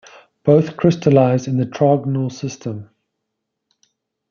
Both crystallize in the trigonal system.